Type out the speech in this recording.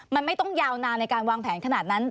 มันไม่ต้องยาวนานในการวางแผนขนาดนั้น